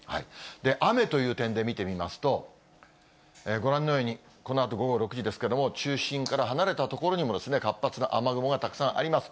雨という点で見てみますと、ご覧のようにこのあと午後６時ですけれども、中心から離れた所にも、活発な雨雲がたくさんあります。